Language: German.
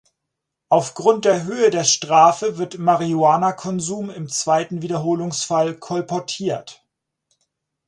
Aufgrund der Höhe der Strafe wird Marihuana-Konsum im zweiten Wiederholungsfall kolportiert.